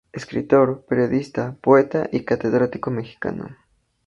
Escritor, periodista, poeta y catedrático mexicano.